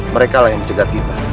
mereka lah yang dicegat kita